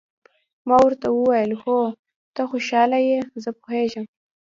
ما ورته وویل: هو، ته خوشاله یې، زه پوهېږم.